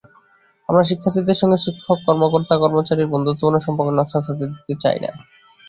আমরা শিক্ষার্থীদের সঙ্গে শিক্ষক-কর্মকর্তা-কর্মচারীদের বন্ধুত্বপূর্ণ সম্পর্ক নস্যাৎ হতে দিতে চাই না।